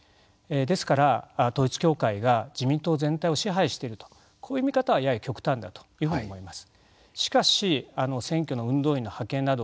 ですから、統一教会が自民党全体を支配しているとこういう見方はやや極端だというふうに思います。